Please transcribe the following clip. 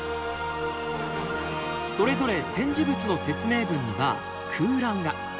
それぞれ展示物の説明文には空欄が。